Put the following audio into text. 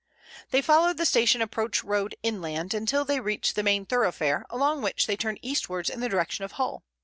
They followed the station approach road inland until they reached the main thoroughfare, along which they turned eastwards in the direction of Hull.